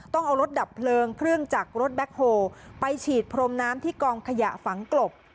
ต้องเอารถดับเพลิงเครื่องจักรรถแบ็คโฮลไปฉีดพรมน้ำที่กองขยะฝังกลบ